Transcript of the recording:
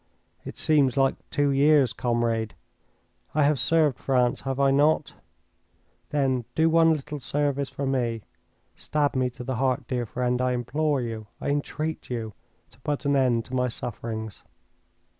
"It seems like two years. Comrade, I have served France, have I not? Then do one little service for me. Stab me to the heart, dear friend! I implore you, I entreat you, to put an end to my sufferings."